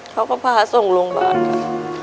เขาก็พาส่งโรงพยาบาลค่ะ